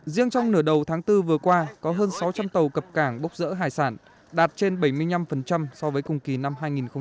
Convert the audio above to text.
riêng trong nửa đầu tháng bốn vừa qua có hơn sáu trăm linh tàu cập cảng bốc dỡ hải sản đạt trên bảy mươi năm so với cùng kỳ năm hai nghìn một mươi chín